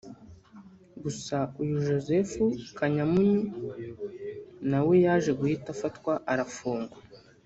Gusa uyu Joseph Kanyamunyu nawe yaje guhita afatwa arafungwa